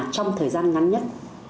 trong thời gian ngắn nhất